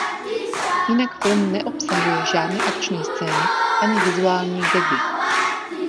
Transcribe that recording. Jinak film neobsahuje žádné akční scény ani vizuální gagy.